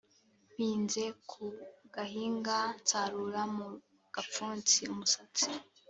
Mpinze ku gahinga nsarura mu gapfunsi-Umusatsi